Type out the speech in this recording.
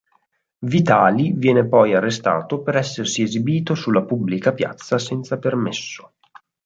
Vitali viene poi arrestato per essersi esibito sulla pubblica piazza senza permesso.